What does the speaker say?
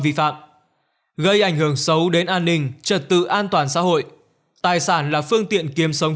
vi phạm gây ảnh hưởng xấu đến an ninh trật tự an toàn xã hội tài sản là phương tiện kiếm sống